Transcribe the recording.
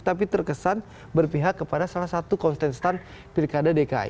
tapi terkesan berpihak kepada salah satu konsisten pilkada dki